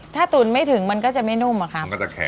ถ้าตุ๋นไม่ถึงมันก็จะไม่นุ่มอะค่ะ